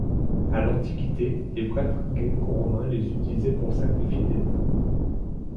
À l'antiquité, les prêtres gréco-romains les utilisaient pour sacrifier des bœufs.